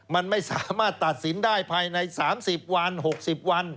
มันไม่สามารถตัดสินได้ภายใน๓๐วัน๖๐วัน